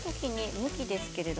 向きですけど。